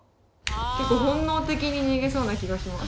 結構本能的に逃げそうな気がします。